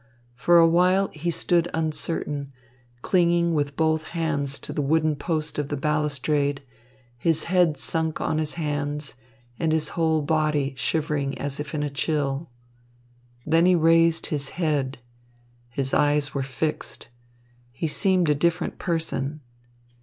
For a while he stood uncertain, clinging with both hands to the wooden post of the balustrade, his head sunk on his hands, and his whole body shivering as in a chill. Then he raised his head. His eyes were fixed. He seemed a different person.